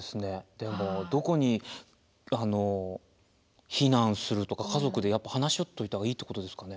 でもどこに避難するとか家族でやっぱ話し合っておいた方がいいってことですかね。